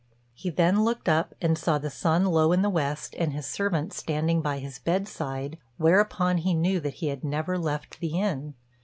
He then looked up, and saw the sun low in the west, and his servant standing by his bedside, whereupon he knew that he had never left the inn.